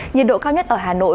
nhiệt độ cao nhất ở hà nội